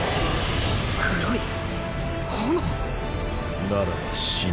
黒い炎？ならば死ね。